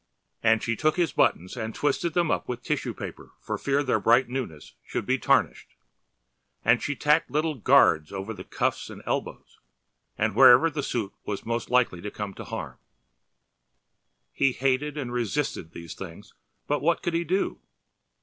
And she took his buttons and twisted them up with tissue paper for fear their bright newness should be tarnished, and she tacked little guards over the cuffs and elbows and wherever the suit was most likely to come to harm. He hated and resisted these things, but what could he do?